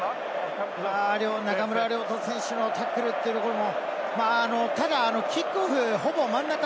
中村亮土選手のタックルというところも。